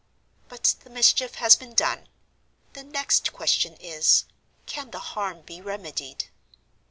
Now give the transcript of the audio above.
"But the mischief has been done. The next question is, can the harm be remedied?